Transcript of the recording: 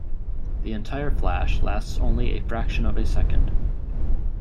The entire flash lasts only a fraction of a second.